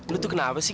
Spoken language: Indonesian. lo tuh kenapa sih